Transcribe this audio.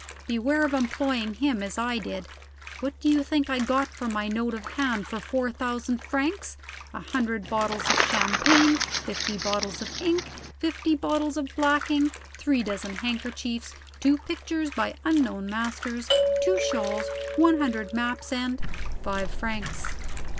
Beware of employing him as I did. What do you think I got for my note of hand of four thousand francs? A hundred bottles of champagne, fifty bottles of ink, fifty bottles of blacking, three dozen handkerchiefs, two pictures by unknown masters, two shawls, one hundred maps, and five francs."